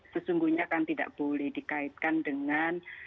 sesungguhnya kan tidak boleh dikaitkan dengan